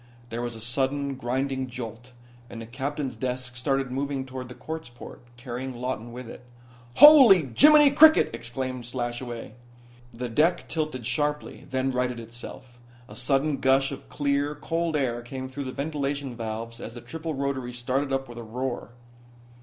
There was a sudden, grinding jolt, and the captain's desk started moving toward the quartz port, carrying Lawton with it. "Holy Jiminy cricket," exclaimed Slashaway. The deck tilted sharply; then righted itself. A sudden gush of clear, cold air came through the ventilation valves as the triple rotaries started up with a roar.